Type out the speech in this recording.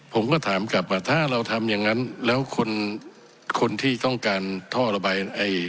ผมก็ถามกลับว่าถ้าเราทำอย่างนั้นแล้วคนคนที่ต้องการท่อระบาย